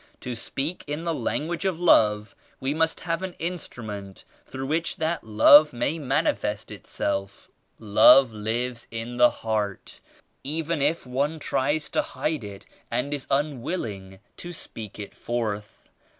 To speak in the language of Love we must have an instrument through which that Love may manifest itself. Love lives in the heart, even if one tries to hide it and is unwilling to speak it forth.